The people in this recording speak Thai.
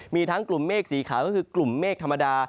มีทั้งกลุ่มเมฆสีขาวก็คือกลุ่มเมฆธรรมดา